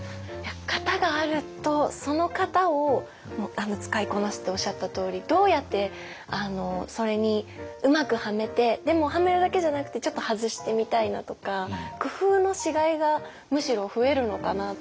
型があるとその型を使いこなすっておっしゃったとおりどうやってそれにうまくはめてでもはめるだけじゃなくてちょっと外してみたいなとか工夫のしがいがむしろ増えるのかなと。